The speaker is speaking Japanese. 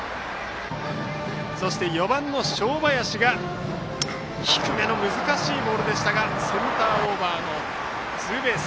そして４番の正林が低めの難しいボールでしたがセンターオーバーのツーベース。